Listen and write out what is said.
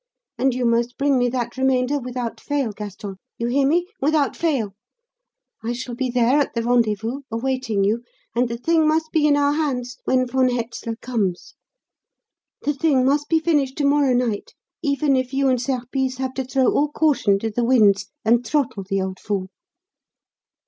And you must bring me that "remainder" without fail, Gaston you hear me? without fail! I shall be there, at the rendezvous, awaiting you, and the thing must be in our hands when von Hetzler comes. The thing must be finished to morrow night, even if you and Serpice have to throw all caution to the winds and throttle the old fool.'